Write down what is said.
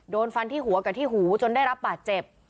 โดนฟันที่หัวกับที่หูจนได้รับบาดเจ็บ